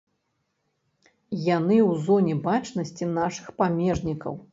Яны ў зоне бачнасці нашых памежнікаў.